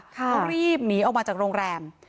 เขารีบหนีออกมาจากโรงแรม